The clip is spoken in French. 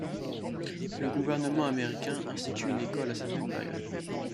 Le gouvernement américain institue une école à cette même période.